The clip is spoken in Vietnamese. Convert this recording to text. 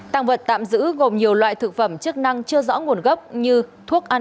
tăng vật tạm giữ gồm nhiều loại thực phẩm chức năng chưa rõ nguồn gốc như thuốc ăn